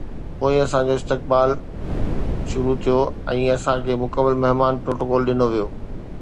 پوءِ اسان جو استقبال شروع ٿيو ۽ اسان کي مڪمل مهمان پروٽوڪول ڏنو ويو.